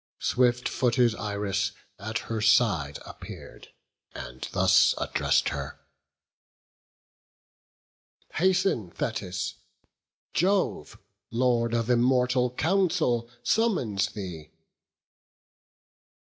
Swift footed Iris at her side appear'd, And thus address'd her: "Hasten, Thetis; Jove, Lord of immortal counsel, summons thee."